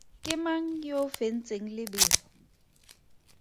Ke mang yo o fentseng lebelo?